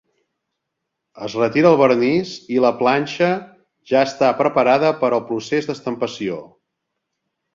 Es retira el vernís, i la planxa ja està preparada per al procés d'estampació.